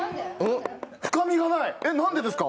深みがない、え、なんでですか？